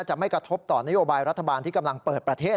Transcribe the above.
จะไม่กระทบต่อนโยบายรัฐบาลที่กำลังเปิดประเทศ